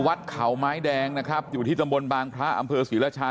วัดเขาไม้แดงนะครับอยู่ที่ตำบลบางพระอำเภอศรีราชา